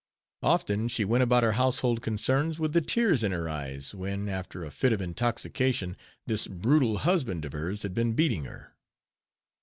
Often she went about her household concerns with the tears in her eyes, when, after a fit of intoxication, this brutal husband of hers had been beating her.